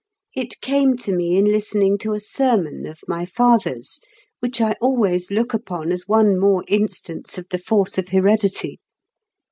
"It came to me in listening to a sermon of my father's—which I always look upon as one more instance of the force of heredity.